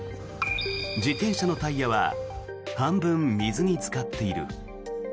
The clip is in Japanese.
自転車のタイヤは半分水につかっている。